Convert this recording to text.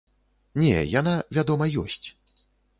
Не, яна, вядома, ёсць.